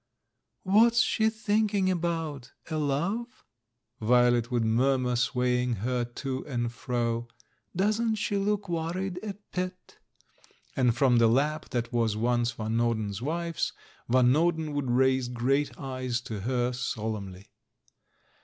"What's she thinking about, a love?" Violet 338 THE MAN WHO UNDERSTOOD WOMEN would murmur, swaying her to and fro. "Doesn't she look worried, a pet!" And from the lap that was once Van Norden's wife's, Van Norden would raise great eyes to her solemnly.